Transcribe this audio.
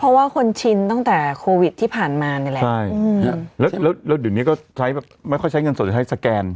เพราะว่าคนชินตั้งแต่โควิดที่ผ่านมานี่แหละใช่อืมแล้วแล้วเดี๋ยวนี้ก็ใช้แบบไม่ค่อยใช้เงินสดจะใช้สแกน